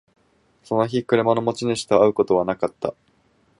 その日、車の持ち主と会うことはなかった